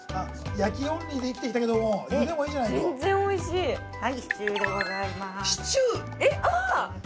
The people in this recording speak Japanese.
◆焼きオンリーで生きてきたけどもゆでもいいじゃないと。